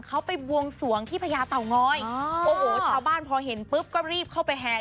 เขาไปบวงสวงที่พญาเต่างอยโอ้โหชาวบ้านพอเห็นปุ๊บก็รีบเข้าไปแห่